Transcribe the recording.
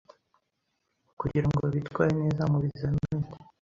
Kugira Ngo Bitware Neza Mu Bizamini